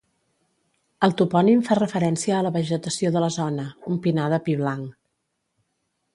El topònim fa referència a la vegetació de la zona: un pinar de pi blanc.